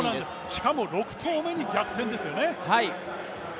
しかも６投目に逆転ですよね